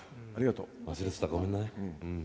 忘れてたごめんね。